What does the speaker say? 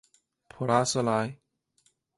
普拉斯莱。